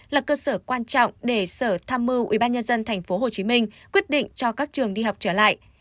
là cơ sở quan trọng để sở tham mưu ubnd tp hcm quyết định cho các trường đi học trở lại